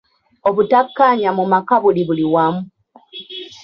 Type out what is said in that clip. Obutakkaanya mu maka buli buli wamu.